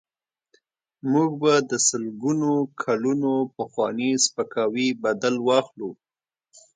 موږ به د سلګونو کلونو پخواني سپکاوي بدل واخلو.